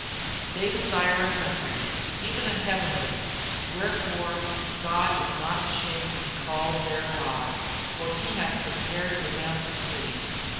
"'They desire a country, even a heavenly: wherefore God is not ashamed to be called their God: for He hath prepared for them a city.'